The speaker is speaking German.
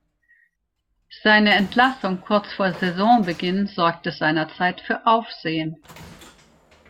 Seine Entlassung kurz vor Saisonbeginn sorgte seinerzeit für Aufsehen.